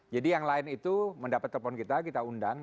jadi yang lain itu mendapat telepon kita kita undang